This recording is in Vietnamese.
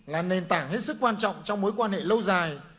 là nền tảng hết sức quan trọng trong mối quan hệ lâu dài